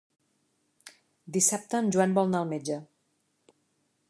Dissabte en Joan vol anar al metge.